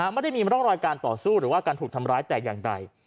ไม่ได้มีร่องรอยการต่อสู้หรือว่าการถูกทำร้ายแต่อย่างใด